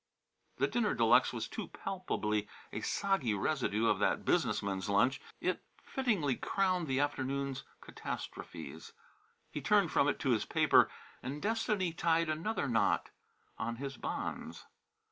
The dinner de luxe was too palpably a soggy residue of that Business Men's Lunch. It fittingly crowned the afternoon's catastrophes. He turned from it to his paper and Destiny tied another knot on his bonds.